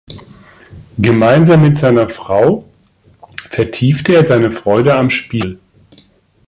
Gemeinsam mit seiner Frau vertiefte er seine Freude am Spiel.